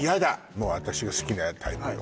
もう私の好きなタイプよ